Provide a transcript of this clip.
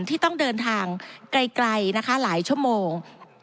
ที่ต้องเดินทางไกลนะคะหลายชั่วโมง